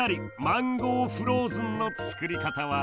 マンゴーフローズンの作り方は？